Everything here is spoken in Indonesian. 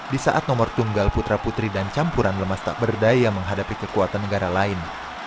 di saat nomor tunggal putra putri dan campuran lemas tak berdaya menghadapi kekuatan negara lain